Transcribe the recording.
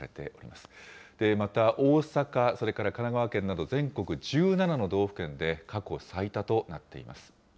また、大阪、それから神奈川県など、全国１７の道府県で過去最多となっています。